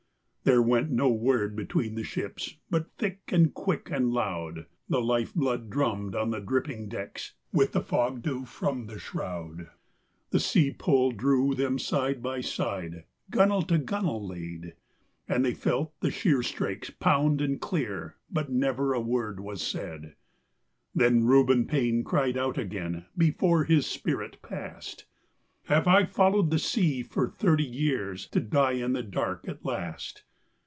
There went no word between the ships, but thick and quick and loud The life blood drummed on the dripping decks, with the fog dew from the shroud, The sea pull drew them side by side, gunnel to gunnel laid, And they felt the sheerstrakes pound and clear, but never a word was said. Then Reuben Paine cried out again before his spirit passed: "Have I followed the sea for thirty years to die in the dark at last?